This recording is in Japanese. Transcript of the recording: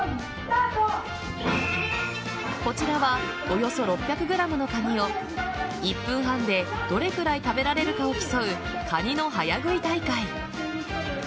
こちらはおよそ６００ｇのカニを１分半でどれくらい食べられるかを競うカニの早食い大会。